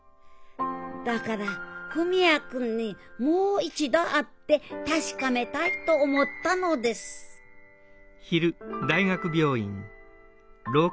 だから文也君にもう一度会って確かめたいと思ったのです上村！